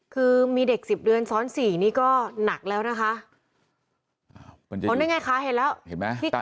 คือมีเด็กสิบเดือนซ้อนสี่นี่ก็หนักแล้วนะคะอ๋อได้ไงคะเห็นแล้วเห็นไหม